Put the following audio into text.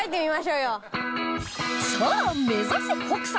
さあ目指せ北斎！